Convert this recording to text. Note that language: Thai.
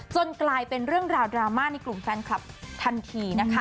กลายเป็นเรื่องราวดราม่าในกลุ่มแฟนคลับทันทีนะคะ